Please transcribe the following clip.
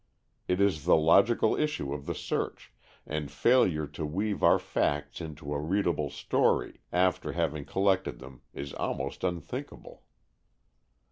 It is the logical issue of the search, and failure to weave our facts into a readable story, after having collected them, is almost unthinkable.